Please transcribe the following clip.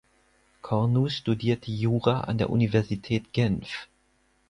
Cornu studierte Jura an der Universität Genf.